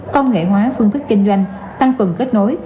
công nghệ hóa phương thức kinh doanh tăng cường kết nối